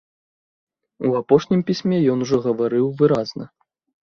У апошнім пісьме ён ужо гаварыў выразна.